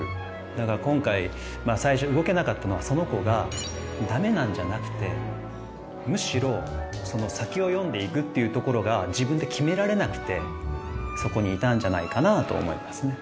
だから今回最初動けなかったのはその子がダメなんじゃなくてむしろ先を読んでいくっていうところが自分で決められなくてそこにいたんじゃないかなと思いますね。